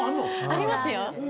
ありますよ。